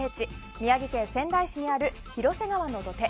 宮城県仙台市にある広瀬川の土手。